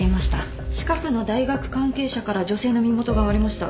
近くの大学関係者から女性の身元が割れました。